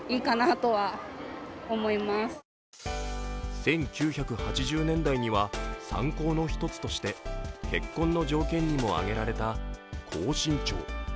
１９８０年代には三高の一つとして結婚の条件にも挙げられた高身長。